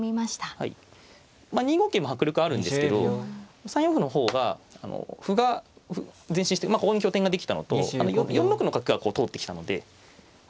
２五桂も迫力あるんですけど３四歩の方が歩が前進してここに拠点ができたのと４六の角がこう通ってきたので。